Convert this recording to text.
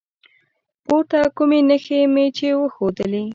پورته کومې نښې مې چې وښودلي